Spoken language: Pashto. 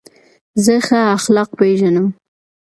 زه ښه اخلاق پېژنم.